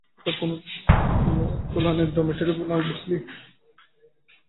এটা কোনো তুলানের ডর্মিটরি নয়, বুঝলি?